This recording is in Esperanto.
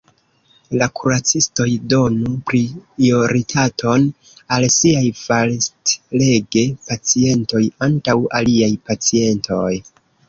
La kuracistoj donu prioritaton al siaj fastlege-pacientoj antaŭ aliaj pacientoj.